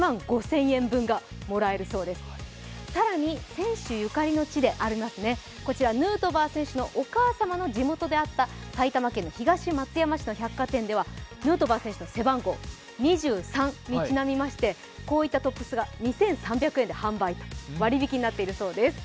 選手ゆかりの地でありますね、ヌートバー選手のお母様の地元であった東松山市の百貨店ではヌートバー選手の背番号２３番にちなみまして、こういったトップスが２３００円で販売、割引になっているそうです。